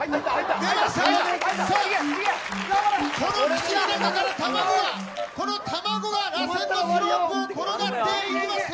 出ました、さあ、行け、口の中から卵が、この卵がらせんのスロープを転がっていきます。